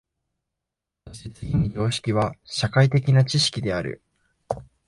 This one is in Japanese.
そして次に常識は社会的な知識である。